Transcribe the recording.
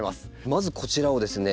まずこちらをですね